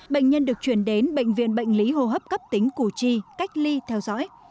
bệnh nhân được chuyển đến bệnh viện bệnh lý hô hấp cấp tính củ chi cách ly theo dõi